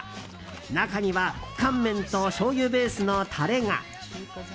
中には乾麺としょうゆベースのタレが。